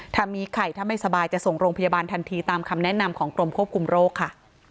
ถ้ามีไข่ถ้าไม่สบายจะส่งโรงพยาบาลทันทีตามคำแนะนำของกรมควบคุมโรคค่ะ